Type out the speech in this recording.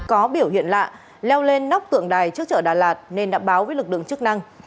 có biểu hiện lạ leo lên nóc tượng đài trước chợ đà lạt nên đã báo với lực lượng chức năng